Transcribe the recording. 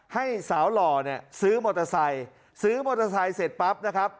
ให้สาวหล่อเนี่ยซื้อมอเตอร์ไซค์ซื้อมอเตอร์ไซค์เสร็จปั๊บนะครับ